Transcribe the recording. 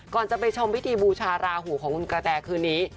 ก่อนจะไปชมพิธีบูชาราหูของคุณกระแต่คืนนี้